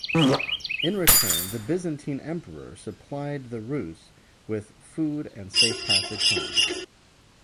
In return, the Byzantine emperor supplied the Rus' with food and safe passage home.